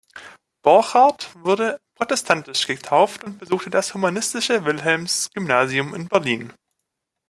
Borchardt wurde protestantisch getauft und besuchte das humanistische Wilhelms-Gymnasium in Berlin.